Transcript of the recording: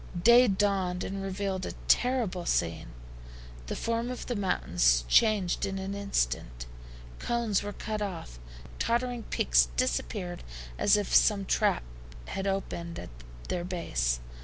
Day dawned and revealed a terrible scene. The form of the mountains changed in an instant. Cones were cut off. Tottering peaks disappeared as if some trap had opened at their base.